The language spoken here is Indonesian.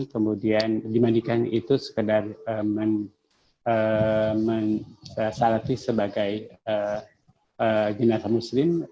kemudian dimandikan itu sekedar mensalati sebagai jenazah muslim